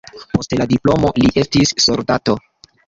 Post la diplomo li estis soldato.